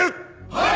はい！